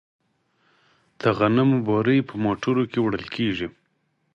د غنمو بورۍ په موټرو کې وړل کیږي.